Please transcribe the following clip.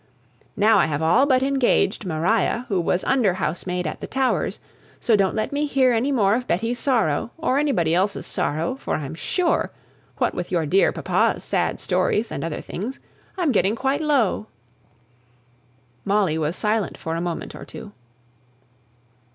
Now I have all but engaged Maria, who was under housemaid at the Towers, so don't let me hear any more of Betty's sorrow, or anybody else's sorrow, for I'm sure, what with your dear papa's sad stories and other things, I'm getting quite low." Molly was silent for a moment or two.